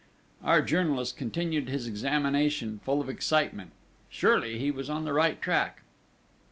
Our journalist continued his examination, full of excitement. Surely he was on the right track!